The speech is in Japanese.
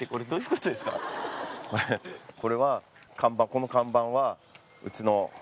これは看板この看板は。